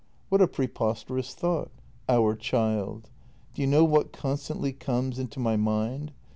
What a pre posterous thought — our child ! Do you know what constantly comes into my mind?